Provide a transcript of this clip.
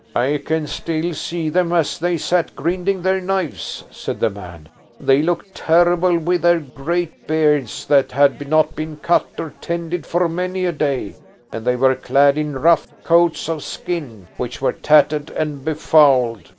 "I can still see them as they sat grinding their knives," said the man. "They looked terrible with their great beards that had not been cut or tended for many a day, and they were clad in rough coats of skin, which were tattered and befouled.